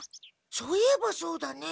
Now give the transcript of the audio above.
そういえばそうだね。